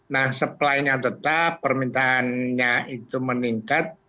nah supply nya tetap permintaannya itu meningkat